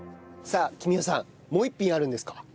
さあ君代さんもう一品あるんですか？